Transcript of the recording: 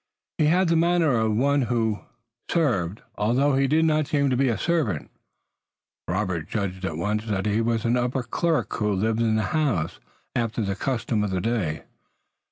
He had the manner of one who served, although he did not seem to be a servant. Robert judged at once that he was an upper clerk who lived in the house, after the custom of the day.